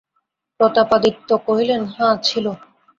প্রতাপাদিত্য কহিলেন, হাঁ ছিল।